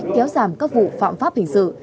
kéo giảm các vụ phạm pháp hình sự